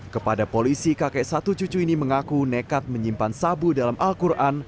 kepada polisi kakek satu cucu ini mengaku nekat menyimpan sabu dalam al quran